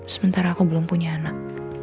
sementara aku belum punya anak